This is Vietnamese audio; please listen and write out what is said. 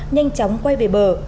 nhanh chóng quay về bờ